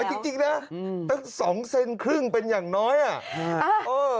จริงนะตั้งสองเซนครึ่งเป็นอย่างน้อยอ่ะเออ